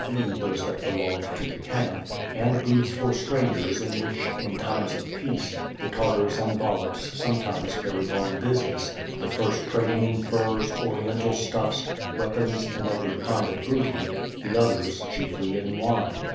e., those that belonged to the camp, and booths for strangers in whieli, in times of peace, the Tar tars and Wallachs sometimes carried on business, the first trading in furs. Oriental stuffs, weapons and every 'kind of booty; the others chiefly in wine.